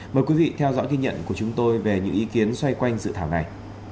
mời quý vị theo dõi ghi nhận của chúng tôi về những ý kiến xoay quanh dự thảo này